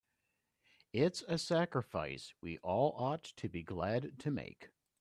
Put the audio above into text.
It's a sacrifice we all ought to be glad to make.